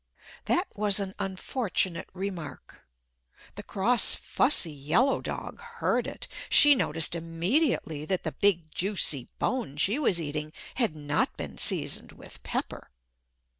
That was an unfortunate remark. The cross fussy yellow dog heard it. She noticed immediately that the big juicy bone she was eating had not been seasoned with pepper.